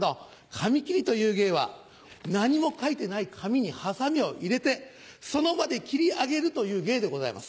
紙切りという芸は何も書いてない紙にハサミを入れてその場で切り上げるという芸でございます。